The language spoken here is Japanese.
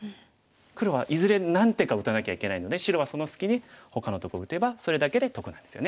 黒はいずれ何手か打たなきゃいけないので白はその隙にほかのとこ打てばそれだけで得なんですよね。